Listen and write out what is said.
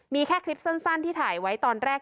มีแค่คลิปสั้นที่ถ่ายไว้ตอนแรก